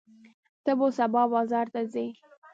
ته به سبا بازار ته ځې؟